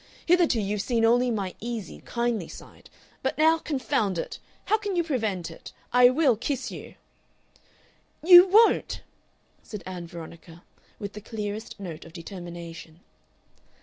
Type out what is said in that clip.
Hitherto you've seen only my easy, kindly side. But now confound it! how can you prevent it? I will kiss you." "You won't!" said Ann Veronica; with the clearest note of determination.